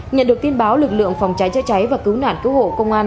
nhận được tin báo lực lượng phòng trái chạy trái và cứu nạn cứu hộ công an